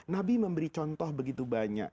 nabi memberi contoh begitu banyak